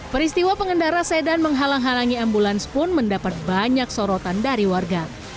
peristiwa pengendara sedan menghalang halangi ambulans pun mendapat banyak sorotan dari warga